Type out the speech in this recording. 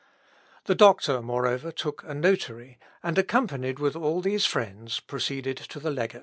The doctor, moreover, took a notary, and accompanied with all these friends, proceeded to the legate.